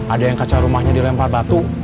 ada yang kacau rumahnya di lempar batu